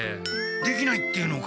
できないって言うのか？